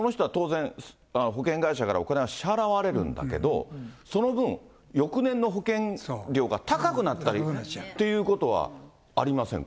その人は当然、保険会社からお金は支払われるんだけど、その分、翌年の保険料が高くなったりということはありませんか。